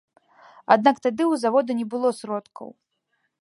Аднак тады ў завода не было сродкаў.